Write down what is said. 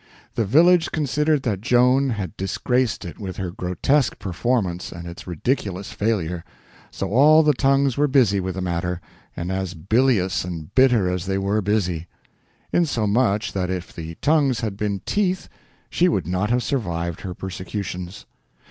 The village considered that Joan had disgraced it with her grotesque performance and its ridiculous failure; so all the tongues were busy with the matter, and as bilious and bitter as they were busy; insomuch that if the tongues had been teeth she would not have survived her persecutions.